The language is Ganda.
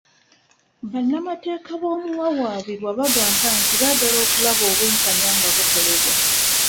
Bannamateeka b'omuwawaabirwa baagamba nti baagala okulaba obwenkanya nga bukolebwa.